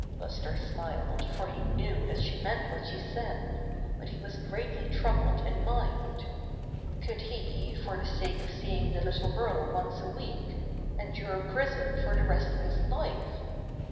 Buster smiled, for he knew that she meant what she said, but he was greatly troubled in mind. Could he, for the sake of seeing the little girl once a week, endure prison for the rest of his life?